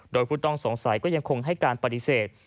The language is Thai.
โดยผู้ต้องสงสัยก็ยังคงให้การปฏิเสธ